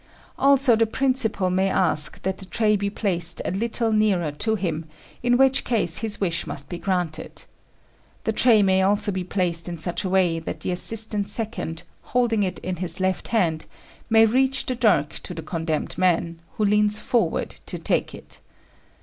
Also the principal may ask that the tray be placed a little nearer to him, in which case his wish must be granted. The tray may also be placed in such a way that the assistant second, holding it in his left hand, may reach the dirk to the condemned man, who leans forward to take it.